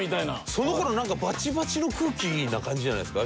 その頃なんかバチバチの空気な感じじゃないですか？